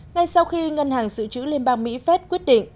ngay sau khi ngân hàng dự trữ liên bang mỹ phép quyết định